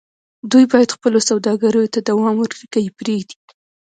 دوی بايد خپلو سوداګريو ته دوام ورکړي که يې پرېږدي.